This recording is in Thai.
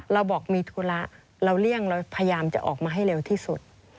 เราบอกมีธุระเราเลี่ยงเราพยายามจะออกมาให้เร็วที่สุด